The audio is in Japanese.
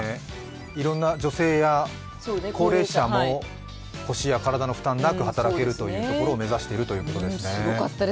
いろんな女性や高齢者も、腰や体の負担なく働けるというところを目指しているということです。